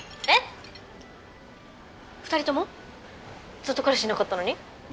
ずっと彼氏いなかったのに？